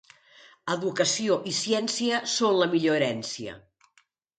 Educació i ciència són la millor herència.